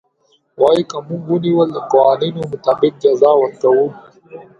وايي که موږ ونيول د قوانينو مطابق جزا ورکوو.